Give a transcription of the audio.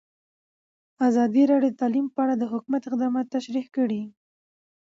ازادي راډیو د تعلیم په اړه د حکومت اقدامات تشریح کړي.